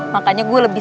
makanya gue lebih